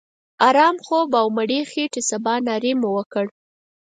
آرام خوب او مړې خېټې سباناري مو وکړه.